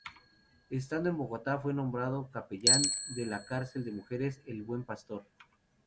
Estando en Bogotá fue nombrado Capellán de la cárcel de mujeres "El Buen Pastor".